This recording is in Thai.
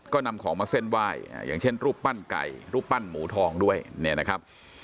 ก็นำของมาเส้นไหว้อย่างเช่นรูปปั้นไก่รูปปั้นหมูทองด้วยเนี่ยนะครับ